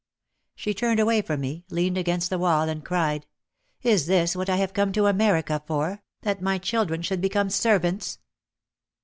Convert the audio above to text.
,, She turned away from me, leaned against the wall and cried, "Is this what I have come to America for, that my children should become servants?"